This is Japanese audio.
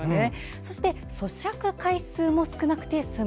そして、そしゃく回数も少なくて済む。